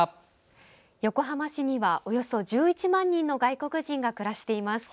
横浜市には、およそ１１万人の外国人が暮らしています。